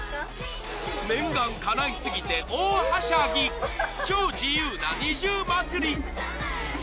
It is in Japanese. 念願かない過ぎて大はしゃぎ超自由なＮｉｚｉＵ祭り